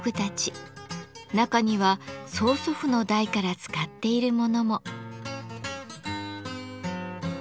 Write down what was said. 中には曽祖父の代から使っているものも。